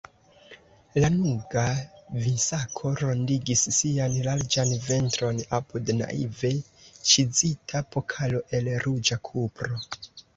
Lanuga vinsako rondigis sian larĝan ventron apud naive ĉizita pokalo el ruĝa kupro.